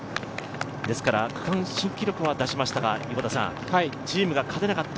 ですから区間新記録は出しましたがチームが勝てなかった、